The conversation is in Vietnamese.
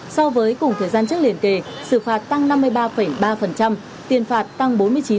so với cùng thời gian trước liền kề sự phạt tăng năm mươi ba ba tiền phạt tăng bốn mươi chín tám